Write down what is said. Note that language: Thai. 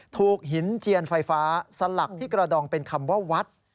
ถูกหินเจียนไฟฟ้าสลักที่กระดองเป็นคำว่าวัด